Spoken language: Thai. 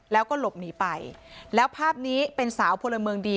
แล้วก็หลบหนีไปแล้วภาพนี้เป็นสาวพลเมืองดี